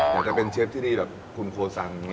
อาจจะเป็นเชฟที่ดีแบบคุณโคซัง